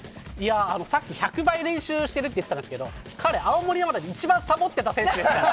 さっき１００倍練習しているって言っていたんですけど彼、青森山田で一番サボってた選手ですから。